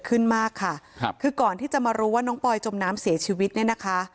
ขึ้นมากค่ะครับคือก่อนที่จะมารู้ว่าน้องปอยจมน้ำเสียชีวิตเนี่ยนะคะ